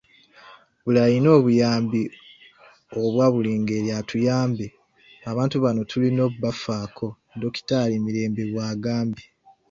'Buli alina obuyambi obwa buli ngeri atuyambe, abantu bano tulina okubafaako,'' Dokitaali Mirembe bw'agambye.